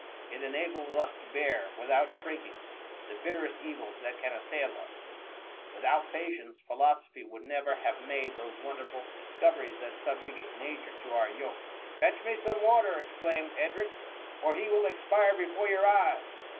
It en ables us to bear, without shrinking, the bitter est evils that can asssdl us. Without patience, philosophy would n^yicfr have made those won •—.•».*»'• THE MUHMY. 71 derful discoveries that subjugate nature to our yoke/' ^^ Fetch me some water,^ exclaimed Edric, " or he will expire before your eyes.'